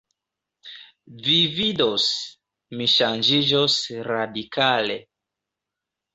Vi vidos, mi ŝanĝiĝos radikale.